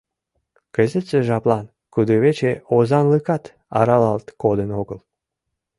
Кызытсе жаплан кудывече озанлыкат аралалт кодын огыл.